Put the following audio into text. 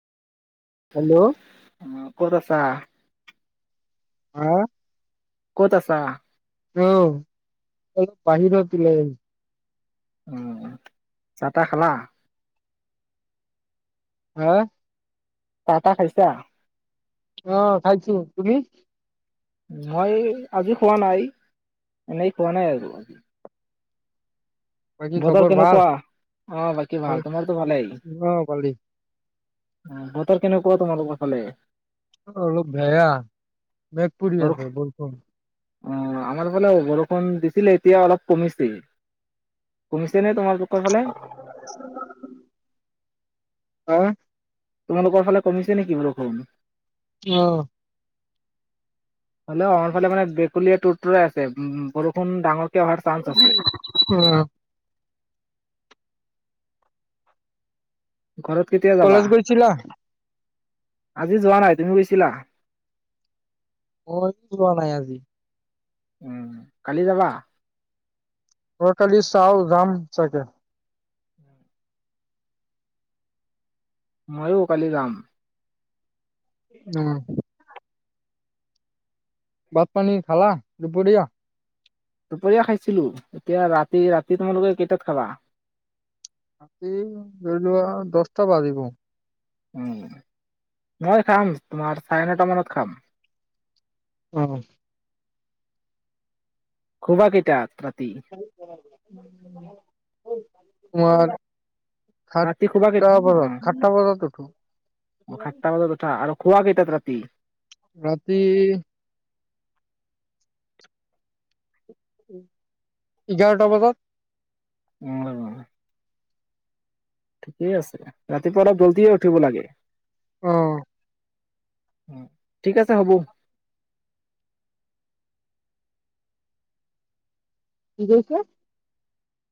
Hello অ', ক'ত আছা? আহ? ক'ত আছা? অ', অলপ বাহিৰত ওলাই আহিছোঁ। উম, চাহ-টাহ খালা? হা? চাহ টাহ খাইছা? অ', খাইছো, তুমি? মই আজি খোৱা নাই, এনেই খোৱা নাই, আৰু। বাকী বতৰ খবৰ ভাল কেনেকুৱা? অ', বাকী ভাল তোমাৰতো ভালেই। অ ভালেই উম, বতৰ কেনেকুৱা তোমালোকৰ ফালে? অলপ বেয়া মেঘ পৰি আছে বৰষুণ। অঁ, আমাৰ ফালে বৰষুণ দিছিলে এতিয়া অলপ কমিছে। কমিছ চেনে' তোমালোকৰ ফালে? হুম? তোমালোকৰ ফালে কমিছে নেকি বৰষুণ? অহ'। হ'লেও আমাৰ ফালে মানে ভেকুলীয়ে তোৰ-তৰাই আছে ব বৰষুণ ডাঙৰ এতিয়াও অহাৰ চান্স আছে। অ ঘৰত কেতিয়া যাবা? কলেজ গৈছিলা? আজি যোৱা নাই। তুমি গৈছিলা? মই যোৱা নাই আজি। উম, কালি যাবা? অ', কালি চাওঁ যাম চাগে! ময়ো কালি যাম। অ'হ। ভাত-পানী খালা দুপৰীয়া? দুপৰীয়া খাইছিলো এতিয়া ৰাতি ৰাতি তোমালোকে কেইটাত খাবা? ৰাতি ধৰিলোৱা দশটা বাজিব। উম মই খাম তোমাৰ চাৰে নটা মানত খাম। উম উম শুবা কেইটাত? ৰাতি [unintelligible] তোমাৰ। ৰাতি শুবা কেই সাতটা বজাত অ সাতটা বজাত উঠো। খুৱা কেইটাত ৰাতি? ৰাতি। উম ইঘাৰটা বজাত। উহম। ঠিকেই আছে ৰাতিপুৱা অলপ জলদিয়ে উঠিব লাগে। অহ। উম ঠিক আছে হ'ব। কি কৈছা?